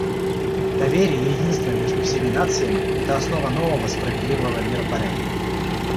Доверие и единство между всеми нациями — это основа нового справедливого миропорядка.